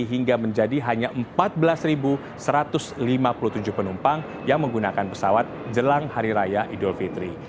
hingga menjadi hanya empat belas satu ratus lima puluh tujuh penumpang yang menggunakan pesawat jelang hari raya idul fitri